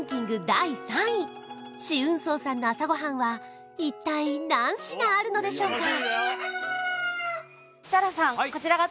第３位紫雲荘さんの朝ごはんは一体何品あるのでしょうか？